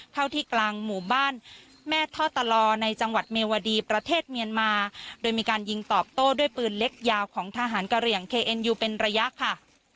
เข้าที่กลางหมู่บ้านแม่ท่อตลอในจังหวัดเมวดีประเทศเมียนมาโดยมีการยิงตอบโต้ด้วยปืนเล็กยาวของทหารกะเหลี่ยงเคเอ็นยูเป็นระยะค่ะ